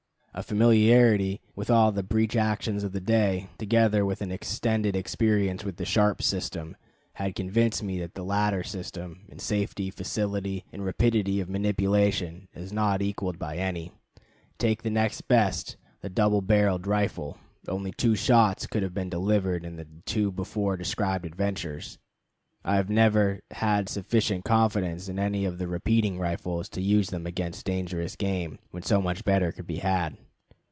A familiarity with all the breech actions of the day, together with an extended experience with the Sharps system, has convinced me that the latter system, in safety, facility, and rapidity of manipulation, is not equaled by any. Take the next best, the double barreled rifle: only two shots could have been delivered in the two before described adventures. I have never had sufficient confidence in any of the repeating rifles to use them against dangerous game, when so much better could be had.